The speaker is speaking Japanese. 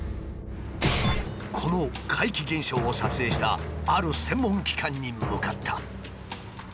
この怪奇現象を撮影したある専門機関に向かった。